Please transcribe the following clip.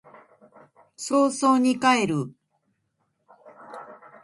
早々に帰る